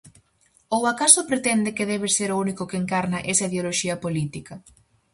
Ou acaso pretende que debe ser o único que encarna esa ideoloxía política?